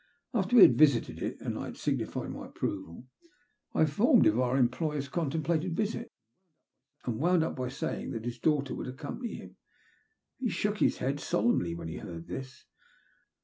After we had visited it and I had signified my approval, I informed I TELL MT 8T0BT. 285 him of oar employer's contemplated visit, and wound np by saying that his daughter would accompany him. He shook his head solemnly when he heard this.